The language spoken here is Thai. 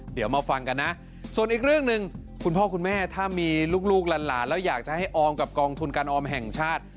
เดี๋ยวมาฟังกันนะส่วนอีกเรื่องหนึ่งคุณพ่อคุณแม่ถ้ามีลูกหลานแล้วอยากจะให้ออมกับกองทุนการออมแห่งชาติ